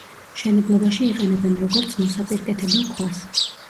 მშენებლობაში იყენებენ როგორც მოსაპირკეთებელ ქვას.